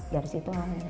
dari situ aja